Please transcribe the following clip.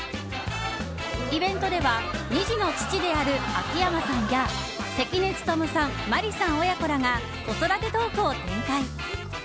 イベントでは２児の父である秋山さんや関根勤さん、麻里さん親子らが子育てトークを展開。